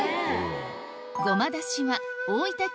ごまだしは大分県